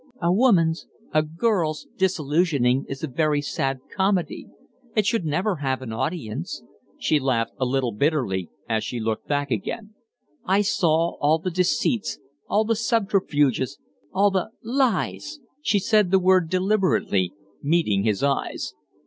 "A woman's a girl's disillusioning is a very sad comedy it should never have an audience." She laughed a little bitterly as she looked back again. "I saw all the deceits, all the subterfuges, all the lies." She said the word deliberately, meeting his eyes.